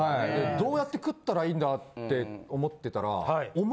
どうやって食ったらいいんだって思ってたら。